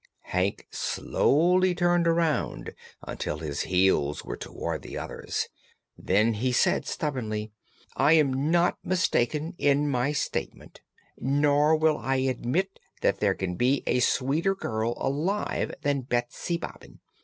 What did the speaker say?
Hank slowly turned around until his heels were toward the others. Then he said stubbornly: "I am not mistaken in my statement, nor will I admit there can be a sweeter girl alive than Betsy Bobbin.